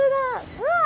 うわっ！